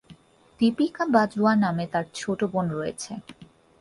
দীপিকা বাজওয়া নামে তার ছোট বোন রয়েছে।